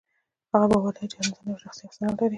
هغه باور لري چې هر انسان یوه شخصي افسانه لري.